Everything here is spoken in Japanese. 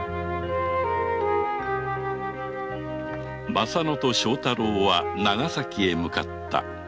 まさ乃と正太郎は長崎へ向かった